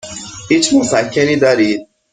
هیچ مسکنی دارید؟